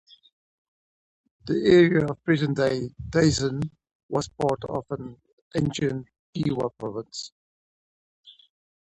The area of present-day Daisen was part of ancient Dewa Province.